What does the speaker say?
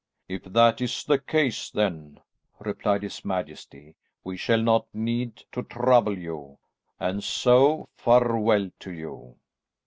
"If that is the case then," replied his majesty, "we shall not need to trouble you. And so, farewell to you!"